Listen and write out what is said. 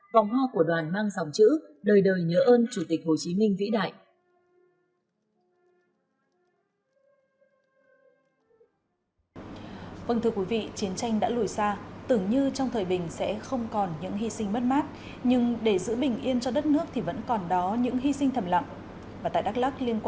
vòng hoa của đoàn mang dòng chữ đời đời nhớ ơn chủ tịch hồ chí minh vĩ đại